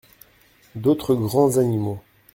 D’autres grands animaux.